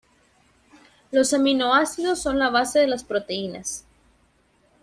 Los aminoácidos son la base de las proteínas.